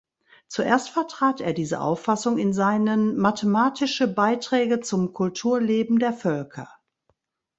Zuerst vertrat er diese Auffassung in seinen "Mathematische Beiträge zum Kulturleben der Völker".